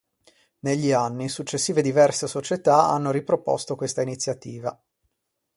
Negli anni successive diverse società hanno riproposto questa iniziativa.